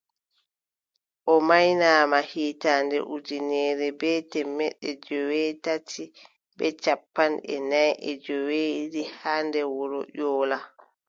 O maynaama hitaande ujineere bee temeɗɗe joweetati bee cappanɗe nay e joweeɗiɗi haa nder wuro Ƴoola.